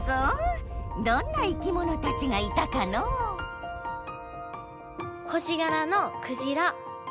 どんな生きものたちがいたかのう星がらのクジラ。